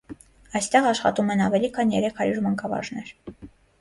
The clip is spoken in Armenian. Այստեղ աշխատում են ավելի քան երեք հարյուր մանկավարժներ։